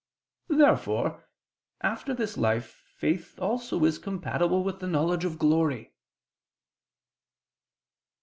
Therefore after this life faith also is compatible with the knowledge of glory.